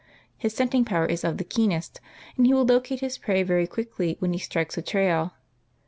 His scenting power is of the keenest and he will locate his prey very quickly when he strikes a trail.